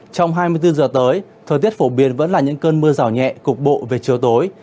trong hai mươi bốn giờ tới thời tiết phổ biến vẫn là những cơn mưa rào nhẹ cục bộ về chiều tối